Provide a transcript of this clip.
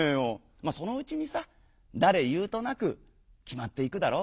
まあそのうちにさだれ言うとなくきまっていくだろう」。